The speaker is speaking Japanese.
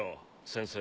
先生。